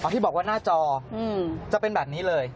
ที่บอกว่าหน้าจอจะเป็นแบบนี้เลย